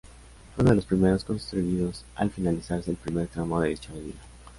Fue uno de los primeros construidos al finalizarse el primer tramo de dicha avenida.